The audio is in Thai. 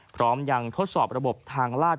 พร้อมยังทดสอบระบบทางลาด